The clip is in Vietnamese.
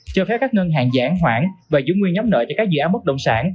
cho phép các ngân hàng giãn hoãn và giữ nguyên nhóm nợ cho các dự án mất đồng sản